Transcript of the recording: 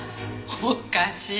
おっかしい。